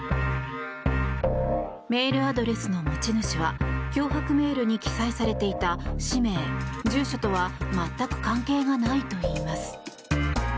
メールアドレスの持ち主は脅迫メールに記載されていた氏名、住所とは全く関係がないといいます。